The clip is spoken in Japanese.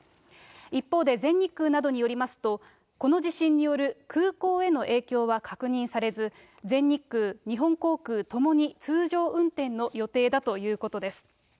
一方で全日空によりますと、空港への影響は確認されず、全日空、日本航空ともに通常運転の予定だということです。